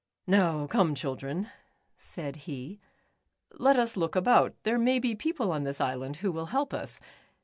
"■ Now come, children," said he, " let us look about ; there may be people on this island, who will help us.